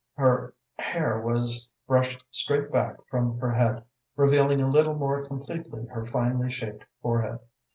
Her hair was brushed straight back from her head, revealing a little more completely her finely shaped forehead.